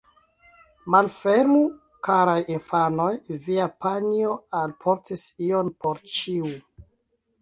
Malfermu, karaj infanoj, via panjo alportis ion por ĉiu.